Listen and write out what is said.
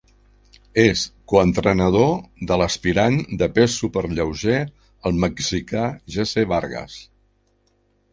És co-entrenador de l'aspirant de pes superlleuger, el mexicà Jesse Vargas.